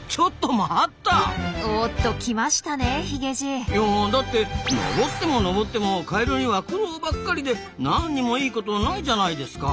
いやだって登っても登ってもカエルには苦労ばっかりでなんにもいいことないじゃないですか。